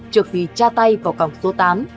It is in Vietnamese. trước khi tra tay vào cổng số tám